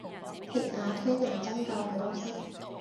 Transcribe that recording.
鐵打推拿針灸佢都識